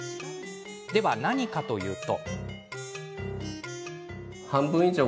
では、何かというと。